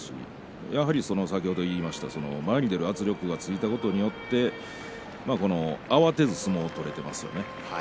やはり前に出る圧力がついたことによって慌てずに相撲を取れていますよね。